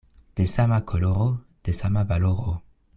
De sama koloro, de sama valoro.